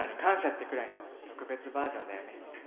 ってくらいの特別バージョンだよね？